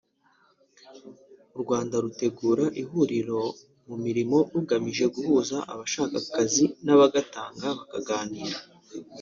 u Rwanda rutegura ihuriro ku murimo rigamije guhuza abashaka akazi n’abagatanga bakaganira